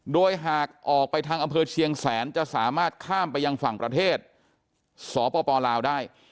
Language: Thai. โดยหากออกไปทางอำเภอเชียงแสนจะสามารถข้ามไปยังฝั่งประเทศสปลาวได้